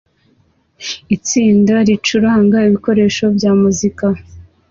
Itsinda ricuranga ibikoresho bya muzika